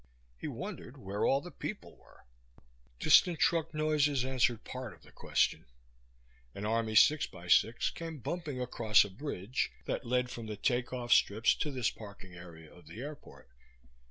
He wondered where all the people were. Distant truck noises answered part of the question. An Army six by six came bumping across a bridge that led from the takeoff strips to this parking area of the airport.